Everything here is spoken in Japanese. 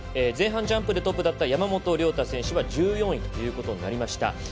前半ジャンプでトップだった山本涼太選手は１４位ということになりました。